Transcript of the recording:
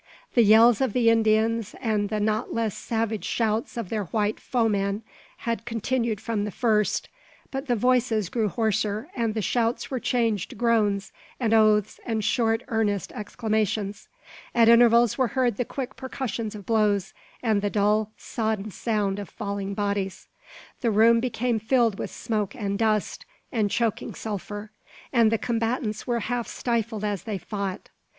The yells of the Indians, and the not less savage shouts of their white foemen, had continued from the first; but the voices grew hoarser, and the shouts were changed to groans, and oaths, and short, earnest exclamations. At intervals were heard the quick percussions of blows, and the dull, sodden sound of falling bodies. The room became filled with smoke and dust, and choking sulphur; and the combatants were half stifled as they fought.